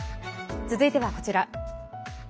続いてはこちら。